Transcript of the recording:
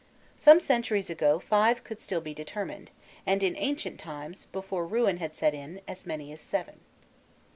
Some centuries ago five could be still determined, and in ancient times, before ruin had set in, as many as seven.